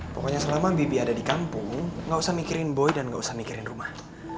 pokoknya selama bibi ada di kampung gak usah mikirin boy dan gak usah mikirin rumah